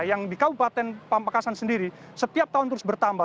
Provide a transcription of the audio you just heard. yang di kabupaten pamekasan sendiri setiap tahun terus bertambah